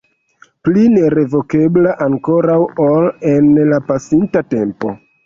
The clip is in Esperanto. Pli nerevokebla ankoraŭ ol en la pasinta tempo.